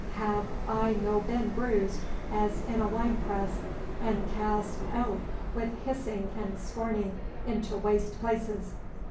Have I no been bruised as in a wine press, and cast oot wi' hissing and scorning into waste places?